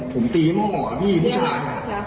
ผมตีห้องออกแบบพี่ผู้ชาย